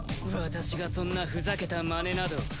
私がそんなふざけたマネなど。